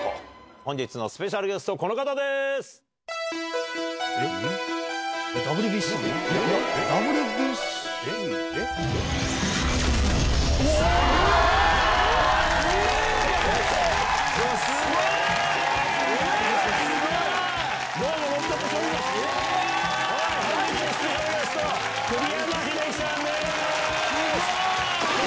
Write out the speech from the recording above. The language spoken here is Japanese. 本日のスペシャルゲスト栗山英樹さんです。